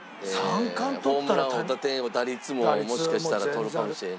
ホームラン王打点王打率ももしかしたらとるかもしれない。